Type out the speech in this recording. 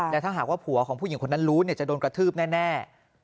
และถ้าหากว่าผัวของผู้หญิงคนนั้นรู้จะโดนกระทืบแน่